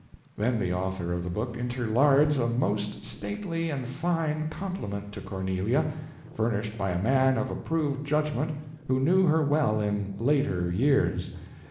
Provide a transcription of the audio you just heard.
Then the author of the book interlards a most stately and fine compliment to Cornelia, furnished by a man of approved judgment who knew her well "in later years."